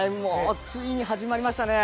ついに始まりましたね。